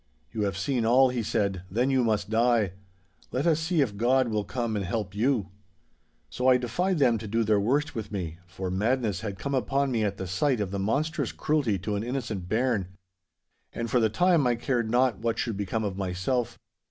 "You have seen all," he said, "then you must die. Let us see if God will come and help you!" 'So I defied them to do their worst with me, for madness had come upon me at the sight of the monstrous cruelty to an innocent bairn. And for the time I cared not what should become of myself.